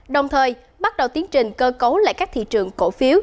đồng thời bắt đầu tiến trình cơ cấu lại các thị trường cổ phiếu